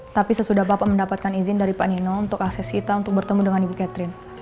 tapi sesudah bapak mendapatkan izin dari pak nino untuk akses kita untuk bertemu dengan ibu catherine